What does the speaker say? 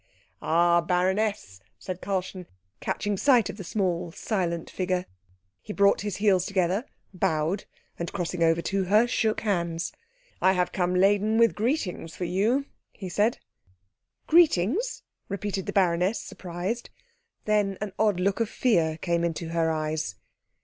"Ah, baroness," said Karlchen, catching sight of the small, silent figure. He brought his heels together, bowed, and crossing over to her shook hands. "I have come laden with greetings for you," he said. "Greetings?" repeated the baroness, surprised. Then an odd look of fear came into her eyes.